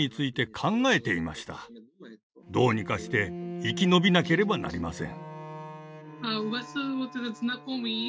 どうにかして生き延びなければなりません。